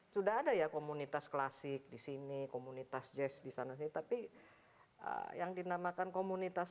sudah ada ya komunitas klasik di sini komunitas jazz di sana sih tapi yang dinamakan komunitas